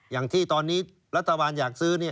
อย่างที่ตอนนี้รัฐบาลอยากซื้อ